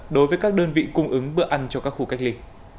đối với các đơn vị cung ứng bữa ăn cho các khu cách ly